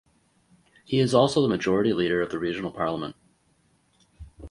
He is also the Majority Leader of the regional parliament.